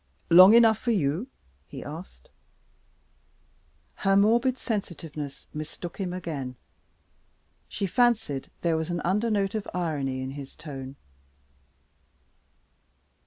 "Long enough for you?" he asked. Her morbid sensitiveness mistook him again; she fancied there was an undernote of irony in his tone.